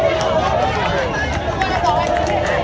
เฮียเฮียเฮีย